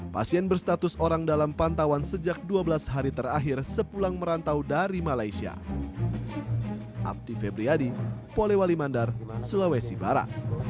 pasien berstatus orang dalam pantauan sejak dua belas hari terakhir sepulang merantau dari malaysia